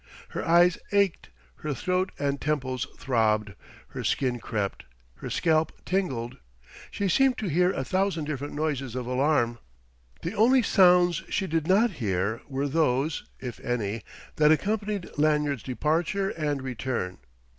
Her eyes ached, her throat and temples throbbed, her skin crept, her scalp tingled. She seemed to hear a thousand different noises of alarm. The only sounds she did not hear were those if any that accompanied Lanyard's departure and return.